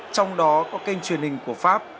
trong đó có kênh truyền hình của pháp